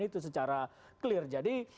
itu secara clear jadi